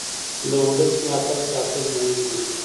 د ولس ملاتړ ساتل مهم دي